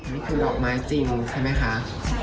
นี่คือดอกไม้จริงใช่ไหมคะ